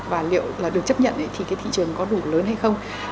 và liệu là được chấp nhận thì cái thị trường có đủ lớn hay không